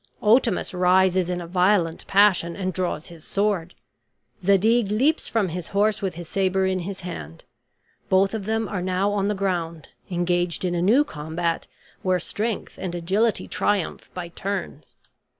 Otamus rises in a violent passion, and draws his sword; Zadig leaps from his horse with his saber in his hand. Both of them are now on the ground, engaged in a new combat, where strength and agility triumph by turns.